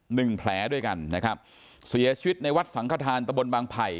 หนึ่งแผลด้วยกันนะครับเสียชีวิตในวัดสังขทานตะบนบางไผ่